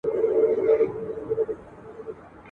پر باقي مځکه یا کښت وي یا غوبل وي ..